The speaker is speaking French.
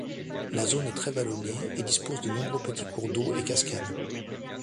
La zone est très vallonnée et dispose de nombreux petits cours d'eau et cascades.